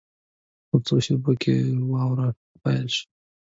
په څو شېبو کې واوره پیل شوه.